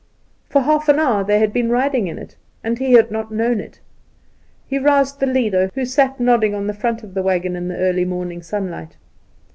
For half an hour they had been riding in it, and he had not known it. He roused the leader, who sat nodding on the front of the wagon in the early morning sunlight.